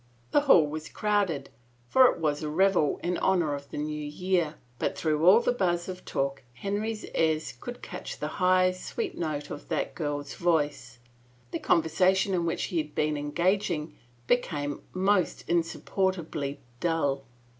The hall was crowded, 87 THE FAVOR OF KINGS for it was a revel in honor of the New Year, but through all the buzz of talk Henry's ears could catch the high, sweet note of that girl's voice. The conversation in which he had been engaging be came most insupportably dull.